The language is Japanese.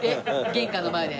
玄関の前で？